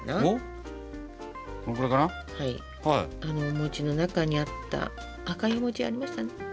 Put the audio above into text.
あのお餅の中にあった赤いお餅ありましたね？